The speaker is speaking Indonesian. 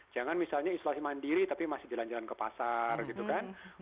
jangan misalnya isolasi mandiri tapi masih jalan jalan ke pasar gitu kan